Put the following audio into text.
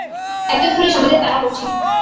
একজন পুলিশ আমাদের তাড়া করছে।